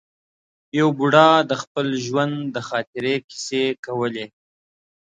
یو بوډا د خپل ژوند د خاطرې کیسې کولې.